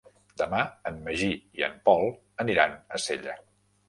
Demà en Magí i en Pol aniran a Sella.